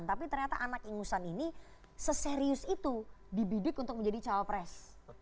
tapi ternyata anak ingusan ini seserius itu dibidik untuk menjadi cawapres